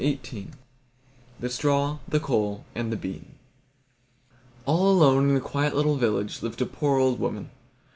THE STRAW THE COAL AND THE BEAN All alone, in a quiet little village, lived a poor old woman.